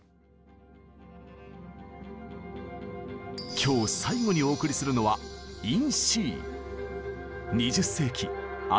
今日最後にお送りするのは「ＩｎＣ」。